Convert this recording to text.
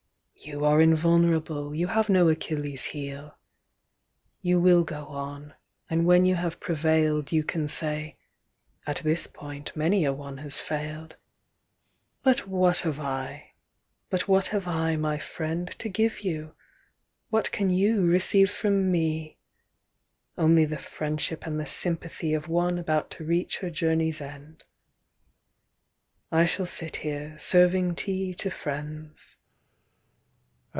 You are invulnerable, you have no Achilles' heel. You will go on, and when you have prevailed You can say: at this point many a one has failed. But what have I, but what have I, my friend, To give you, what can you receive from me? Only the friendship and the sympathy Of one about to reach her journey's end. I shall sit here, serving tea to friends...."